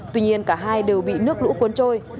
tuy nhiên cả hai đều bị nước lũ cuốn trôi